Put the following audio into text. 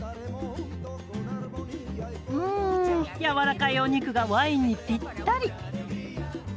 軟らかいお肉がワインにぴったり。